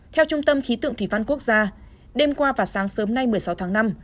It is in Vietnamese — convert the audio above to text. theo trung tâm khí tượng thủy văn quốc gia đêm qua và sáng sớm nay một mươi sáu tháng năm